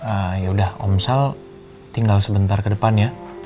ah ya udah om sal tinggal sebentar ke depan ya